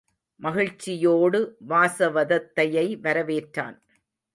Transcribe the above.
மகிழ்ச்சியோடு வாசவதத்தையை வரவேற்றான்.